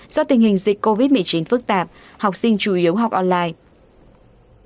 do tình hình dịch covid một mươi chín phức tạp học sinh chủ yếu học online